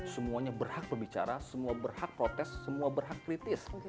semuanya berhak berbicara semua berhak protes semua berhak kritis